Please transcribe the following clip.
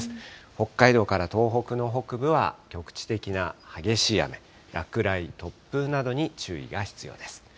北海道から東北の北部は局地的な激しい雨、落雷、突風などに注意が必要です。